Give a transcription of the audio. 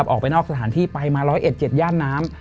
ออกไปนอกสถานที่ไปมา๑๐๑๗ย่านน้ำ